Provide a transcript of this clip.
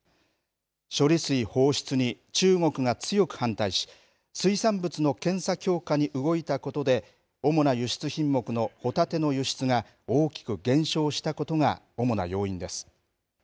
処理水放出に中国が強く反対し、水産物の検査強化に動いたことで、おもな輸出品目のホタテの輸出が大きく減少したことが主な要因です。